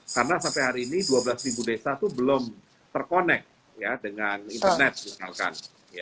karena sampai hari ini dua belas desa itu belum terkonek dengan internet misalkan